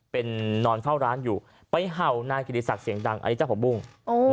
เป็นนอนเข้าร้านอยู่ไปให้เขานาฬิษัทเรียกไหวสองขวางหลังกิจติศาสตร์เสียงดัง